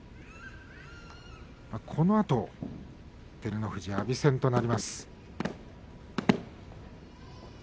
このあと照ノ富士、阿炎戦です。